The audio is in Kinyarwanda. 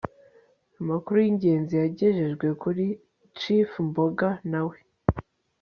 amakuru y'ingenzi yagejejwe kuri chief mboga na we